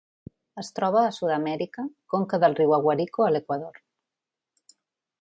Es troba a Sud-amèrica: conca del riu Aguarico a l'Equador.